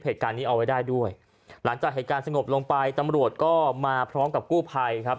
เหตุการณ์นี้เอาไว้ได้ด้วยหลังจากเหตุการณ์สงบลงไปตำรวจก็มาพร้อมกับกู้ภัยครับ